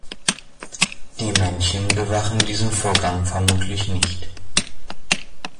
Die Männchen bewachen diesen Vorgang vermutlich nicht.